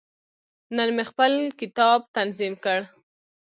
نن مې خپل کتاب تنظیم کړ.